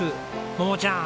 桃ちゃん